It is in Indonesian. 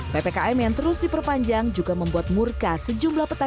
ppkm yang terus diperpanjang juga membuat murka sejumlah petani